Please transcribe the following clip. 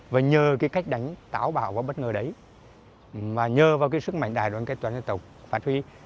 và nhờ cái cách đánh thẳng vào và bất ngờ đấy và nhờ vào cái sức mạnh đài đoàn kết toàn dân tộc pháp huy